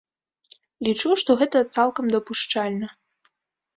Лічу, што гэта цалкам дапушчальна.